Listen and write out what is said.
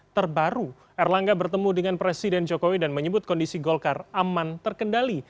terbaru erlangga bertemu dengan presiden jokowi dan menyebut kondisi golkar aman terkendali